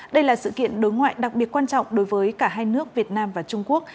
đây là sự kiện đối ngoại đặc biệt quan trọng đối với cả hai nước việt nam và trung quốc